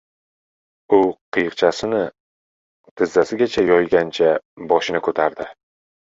U qiyiqchani tizzasiga yoygancha boshini ko‘tardi.